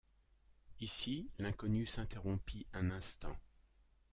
Ici, l’inconnu s’interrompit un instant